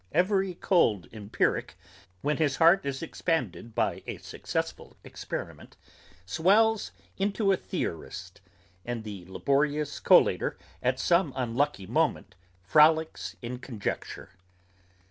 Every cold empirick, when his heart is expanded by a successful experiment, swells into a theorist, and the laborious collator at some unlucky moment frolicks in conjecture.